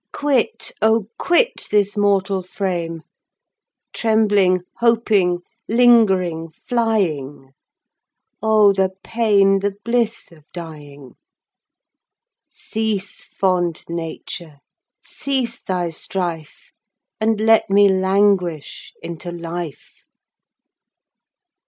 Quit, O quit this mortal frame: Trembling, hoping, ling'ring, flying, O the pain, the bliss of dying! Cease, fond Nature, cease thy strife, 5 And let me languish into life.